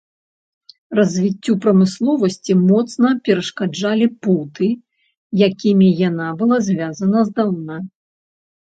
Развіццю прамысловасці моцна перашкаджалі путы, якімі яна была звязана здаўна.